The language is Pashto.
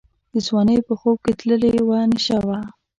د ځوانۍ په خوب کي تللې وه نشه وه